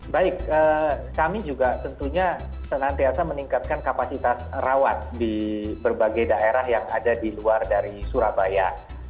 baik kami juga tentunya senantiasa meningkatkan kapasitas rawat di berbagai daerah yang ada di luar dari surabaya